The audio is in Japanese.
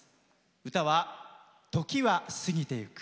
歌は「時は過ぎてゆく」。